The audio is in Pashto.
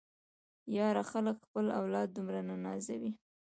ياره خلک خپل اولاد دومره نه نازوي.